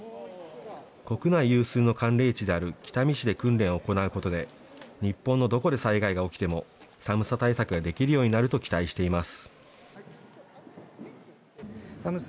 国内有数の寒冷地である北見市で訓練を行うことで、日本のどこで災害が起きても、寒さ対策ができるようになると期待しています。